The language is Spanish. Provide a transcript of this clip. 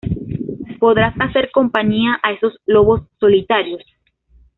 podrás hacer compañía a esos lobos solitarios